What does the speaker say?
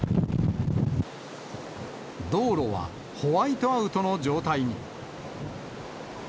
道路はホワイトアウトの状態に。